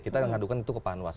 kita mengadukan itu ke panwas